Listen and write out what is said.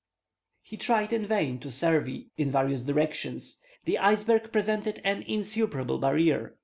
He tried in vain to survey in various directions. The iceberg presented an insuperable barrier.